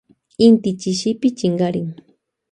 Chishipi chinkarin inti.